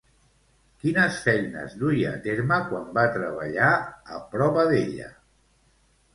Quines feines duia a terme quan va treballar a Provedella?